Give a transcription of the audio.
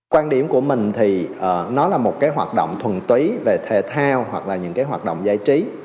quan điểm của mình thì nó là một cái hoạt động thuần túy về thể thao hoặc là những cái hoạt động giải trí